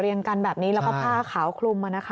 เรียงกันแบบนี้แล้วก็ผ้าขาวคลุมมานะคะ